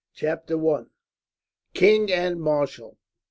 Chapter 1: King and Marshal.